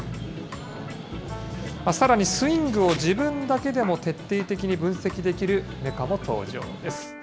さらにスイングを自分だけでも徹底的に分析できるメカも登場です。